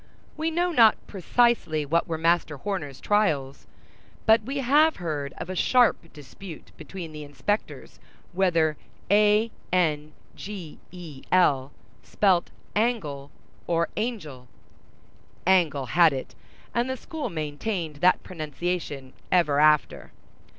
We know not precisely what were Master Horner's trials; but we have heard of a sharp dispute between the inspectors whether a n g e l spelt angle or angel. Angle had it, and the school maintained that pronunciation ever after.